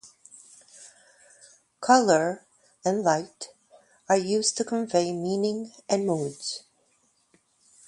Colour and light are used to convey meaning and moods.